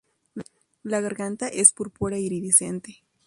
La garganta es púrpura iridiscente.